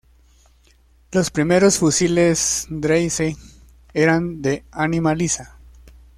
Los primeros fusiles Dreyse eran de ánima lisa.